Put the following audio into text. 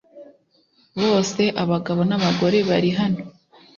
Bose abagabo n'abagore bari hano .